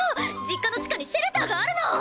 実家の地下にシェルターがあるの！